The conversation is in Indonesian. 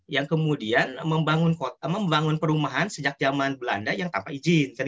yang kemudian membangun perumahan sejak zaman belanda yang tanpa izin